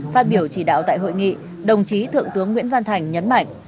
phát biểu chỉ đạo tại hội nghị đồng chí thượng tướng nguyễn văn thành nhấn mạnh